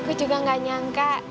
aku juga gak nyangka